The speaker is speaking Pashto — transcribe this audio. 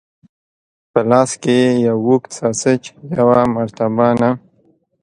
په لاس کې یې یو اوږد ساسیج، یوه مرتبانه.